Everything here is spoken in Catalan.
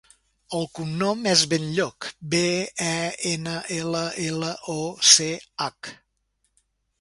El cognom és Benlloch: be, e, ena, ela, ela, o, ce, hac.